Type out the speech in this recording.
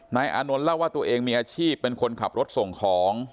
อานนท์เล่าว่าตัวเองมีอาชีพเป็นคนขับรถส่งของ